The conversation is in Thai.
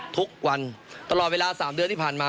ทุกวันตลอดเวลา๓เดือนที่ผ่านมา